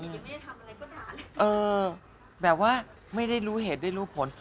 ด่าได้ยังไม่ได้ทำอะไรก็ด่าแบบว่าไม่ได้รู้เหตุไม่รู้ผล